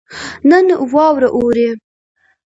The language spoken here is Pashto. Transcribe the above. نن واوره اوري